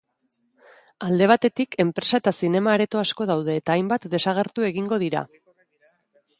Alde batetik, enpresa eta zinema-areto asko daude eta hainbat desagertu egingo dira.